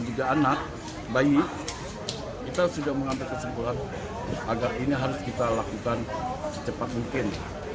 juga anak bayi kita sudah mengambil kesimpulan agar ini harus kita lakukan secepat mungkin